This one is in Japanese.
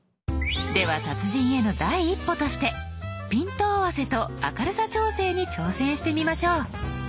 では達人への第一歩としてピント合わせと明るさ調整に挑戦してみましょう。